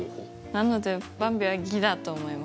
なのでばんびは偽だと思います。